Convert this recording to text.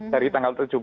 dari tanggal tujuh belas